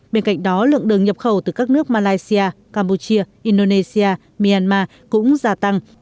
bên cạnh đó lượng đường nhập khẩu từ các nước malaysia campuchia indonesia myanmar cũng gia tăng